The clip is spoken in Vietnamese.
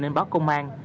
nên báo công an